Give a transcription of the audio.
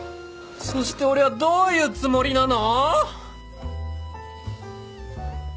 そして俺はどういうつもりなの⁉